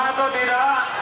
sama atau tidak